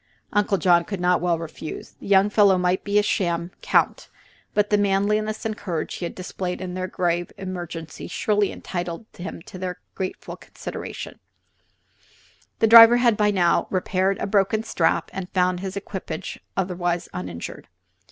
Uncle John could not well refuse. The young fellow might be a sham count, but the manliness and courage he had displayed in their grave emergency surely entitled him to their grateful consideration. "You are quite welcome to join us," said Uncle John. The driver had by now repaired a broken strap and found his equippage otherwise uninjured.